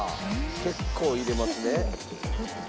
結構入れますね。